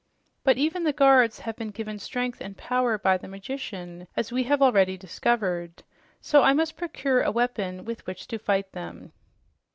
But even the guards have been given strength and power by the magician, as we have already discovered, so I must procure a weapon with which to fight them."